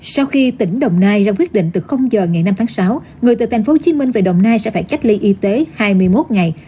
sau khi tỉnh đồng nai ra quyết định từ giờ ngày năm tháng sáu người từ tp hcm về đồng nai sẽ phải cách ly y tế hai mươi một ngày